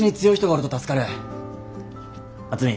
渥美。